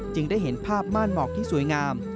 ได้เห็นภาพม่านหมอกที่สวยงาม